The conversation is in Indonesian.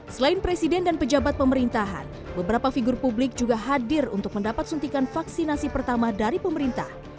selain presiden dan pejabat pemerintahan beberapa figur publik juga hadir untuk mendapat suntikan vaksinasi pertama dari pemerintah